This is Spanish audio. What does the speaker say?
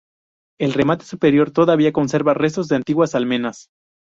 El remate superior todavía conserva restos de antiguas almenas.